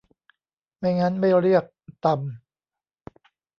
ไม่งั้นไม่เรียก 'ตำ'